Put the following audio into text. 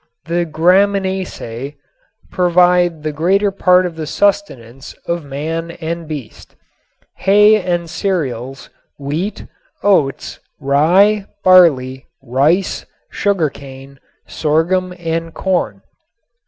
The graminaceae provide the greater part of the sustenance of man and beast; hay and cereals, wheat, oats, rye, barley, rice, sugar cane, sorghum and corn.